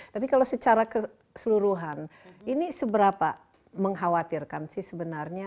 tapi kalau secara keseluruhan ini seberapa mengkhawatirkan sih sebenarnya